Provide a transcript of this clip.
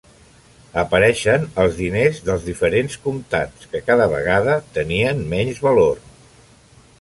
Apareixen els diners dels diferents comtats, que cada vegada tenien menys valor.